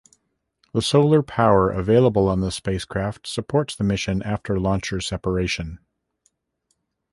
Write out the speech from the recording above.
The solar power available on the spacecraft supports the mission after launcher separation.